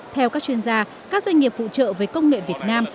theo các chuyên gia các doanh nghiệp phụ trợ với công nghệ việt nam